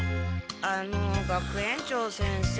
あの学園長先生。